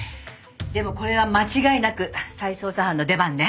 でもこれは間違いなく再捜査班の出番ね。